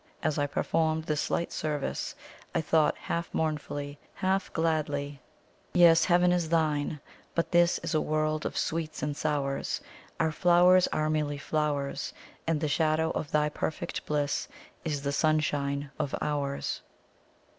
As I performed this slight service, I thought, half mournfully, half gladly "Yes, Heaven is thine, but this Is a world of sweets and sours Our flowers are merely FLOWERS; And the shadow of thy perfect bliss Is the sunshine of ours."